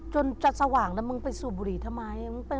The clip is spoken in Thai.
จนจะสว่างแล้วมึงไปสูบบุหรี่ทำไม